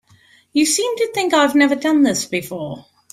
You seem to think I've never done this before.